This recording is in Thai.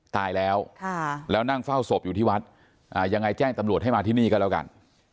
ตายแล้วแล้วนั่งเฝ้าศพอยู่ที่วัดยังไงแจ้งตำรวจให้มาที่นี่ก็แล้วกัน